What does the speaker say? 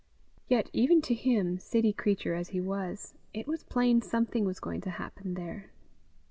Yet even to him, city creature as he was, it was plain something was going to happen there.